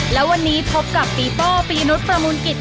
และวันนี้พบกับปีโป้ปียนุษย์ประมูลกิจ